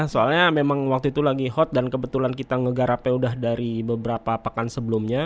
soalnya memang waktu itu lagi hot dan kebetulan kita ngegarapnya udah dari beberapa pekan sebelumnya